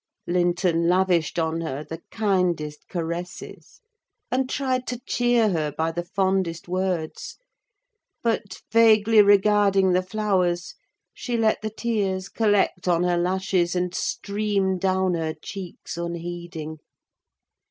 Linton lavished on her the kindest caresses, and tried to cheer her by the fondest words; but, vaguely regarding the flowers, she let the tears collect on her lashes and stream down her cheeks unheeding.